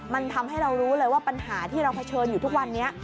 มันทำให้เรารู้เลยว่าปัญหาที่เราเผชิญอยู่ทุกวันนี้